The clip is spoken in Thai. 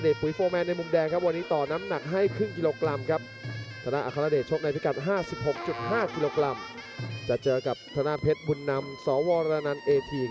จะเจอกับธนาเพชรบุญนำสวรนันเอที